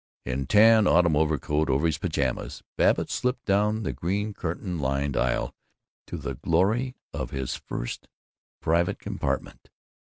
In tan autumn overcoat over his pajamas, Babbitt slipped down the green curtain lined aisle to the glory of his first private compartment.